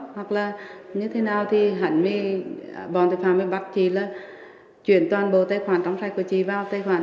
hoặc là như thế nào thì hẳn bọn tội phạm bắt chị là chuyển toàn bộ tài khoản trong sạch của chị vào tài khoản